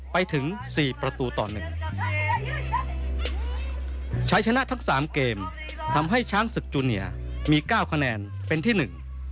ไปถึงสี่ประตูต่อหนึ่งใช้ชนะทั้งสามเกมทำให้ช้างศึกจูเนียมีเก้าคะแนนเป็นที่หนึ่ง